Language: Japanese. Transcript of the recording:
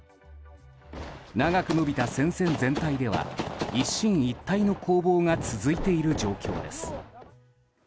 長く伸びた戦線全体では一進一退の攻防が続いている状況です。